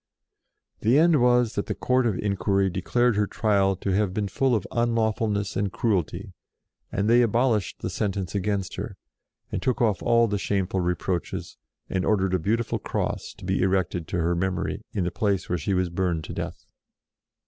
The end was that the Court of Inquiry declared her trial to have been full of un lawfulness and cruelty, and they abolished the sentence against her, and took off all the shameful reproaches, and ordered a SECOND TRIAL 119 beautiful cross to be erected to her memory in the place where she was burned to death.